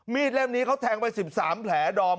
เล่มนี้เขาแทงไป๑๓แผลดอม